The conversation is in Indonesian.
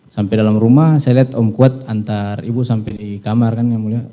sampai dalam rumah saya lihat om kuat antar ibu sampai di kamar kan yang mulia